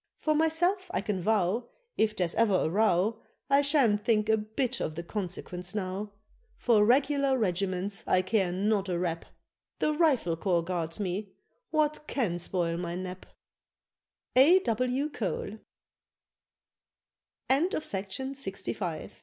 For myself I can vow, If there's ever a row, I sha'n't think a bit of the consequence now. For regular regiments I care not a rap: The Rifle Corps guards me, what can spoil my nap? _A. W. Cole.